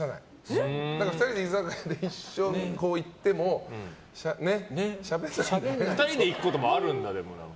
２人で居酒屋に一緒に行っても２人で行くこともあるんだ？